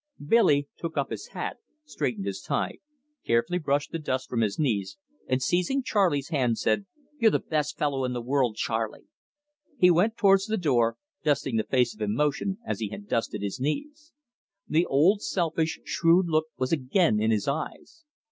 Billy took up his hat, straightened his tie, carefully brushed the dust from his knees, and, seizing Charley's hand, said: "You're the best fellow in the world, Charley." He went towards the door, dusting his face of emotion as he had dusted his knees. The old selfish, shrewd look was again in his eyes.